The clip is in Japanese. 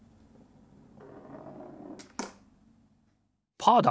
パーだ！